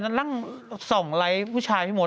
นั่งส่องไลค์ผู้ชายพี่มด